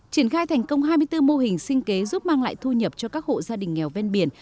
triển khai thành công hai mươi bốn mô hình sinh kế giúp mang lại thu nhập cho các hộ gia đình nghèo ven biển